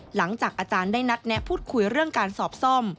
หลังจากอาจารย์ได้นัดแนะพูดคุยเรื่องการสอบซ่อม